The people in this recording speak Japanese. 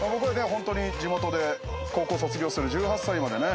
ホントに地元で高校卒業する１８歳までね